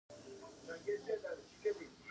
مورغاب سیند د افغان کلتور په داستانونو کې راځي.